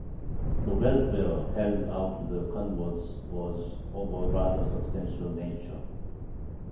The "welfare" held out to the converts was of a rather substantial nature.